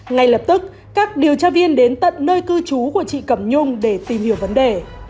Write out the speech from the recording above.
ngay lập tức các điều tra viên đến tận nơi cư trú của chị cẩm nhung để tìm hiểu vấn đề